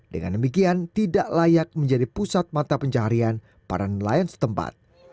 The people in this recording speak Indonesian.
dengan demikian tidak layak menjadi pusat mata pencaharian para nelayan setempat